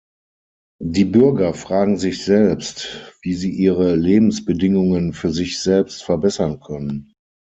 Die Bürger fragen sich selbst, wie sie ihre Lebensbedingungen für sich selbst verbessern können.